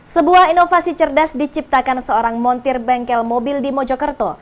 sebuah inovasi cerdas diciptakan seorang montir bengkel mobil di mojokerto